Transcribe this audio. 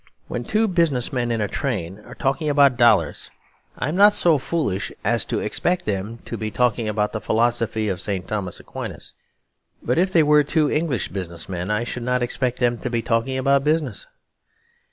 When two business men in a train are talking about dollars I am not so foolish as to expect them to be talking about the philosophy of St. Thomas Aquinas. But if they were two English business men I should not expect them to be talking about business.